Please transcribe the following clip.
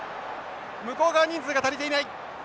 向こう側人数が足りていない。